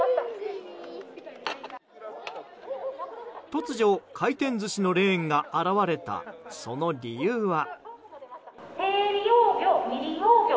突如、回転寿司のレーンが現れた、その理由は。